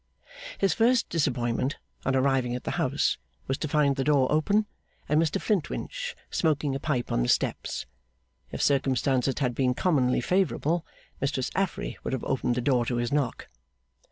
His first disappointment, on arriving at the house, was to find the door open, and Mr Flintwinch smoking a pipe on the steps. If circumstances had been commonly favourable, Mistress Affery would have opened the door to his knock.